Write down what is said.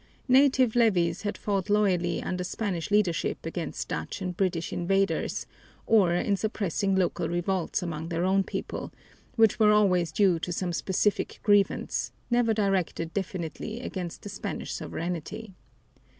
Native levies had fought loyally under Spanish leadership against Dutch and British invaders, or in suppressing local revolts among their own people, which were always due to some specific grievance, never directed definitely against the Spanish sovereignty.